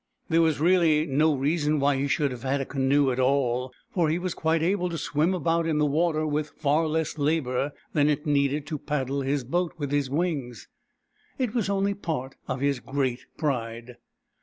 There was really no rea son why he should have had a canoe at all, for he was quite able to swim about in the water with far less labour than it needed to paddle his boat with his wings. It was only part of his great pride.